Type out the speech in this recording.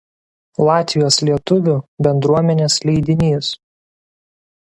Latvijos lietuvių bendruomenės leidinys.